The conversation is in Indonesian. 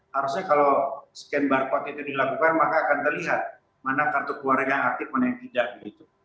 harusnya kalau scan barcode itu dilakukan maka akan terlihat mana kartu keluarga yang aktif mana yang tidak begitu